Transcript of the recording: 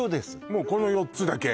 もうこの４つだけ？